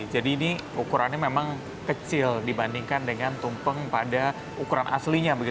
jadi ini ukurannya memang kecil dibandingkan dengan tumpeng pada ukuran aslinya